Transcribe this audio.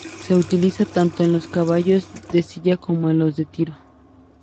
Se utiliza tanto en los caballos de silla como en los de tiro.